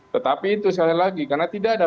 tetapi itu sekali lagi karena tidak ada